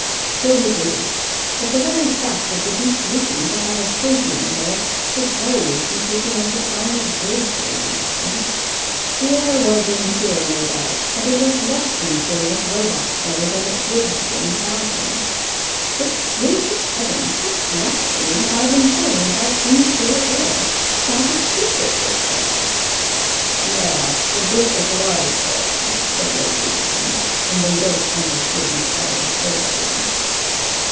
"So it is. But the very fact of the duke's wishing to have a clergyman there, should always be taken as a sign of grace, Lady Lufton. The air was impure, no doubt; but it was less impure with Robarts there than it would have been without him. But, gracious heavens! what blasphemy have I been saying about impure air? Why, the bishop was there!" "Yes, the bishop was there," said Lady Lufton, and they both understood each other thoroughly.